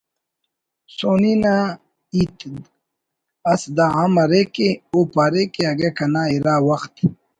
ہسونی نا ہیت اس دا ہم کرے کہ او پارے کہ اگہ کنا اِرا وخت